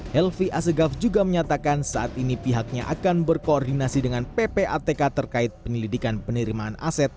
helvi asegaf juga menyatakan saat ini pihaknya akan berkoordinasi dengan ppatk terkait penyelidikan penerimaan aset